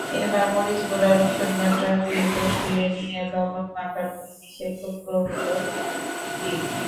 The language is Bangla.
এবার মরিচ গুঁড়া, রসুনবাটা দিয়ে কষিয়ে নিয়ে লবণ মাখানো ইলিশের টুকরাগুলো দিন।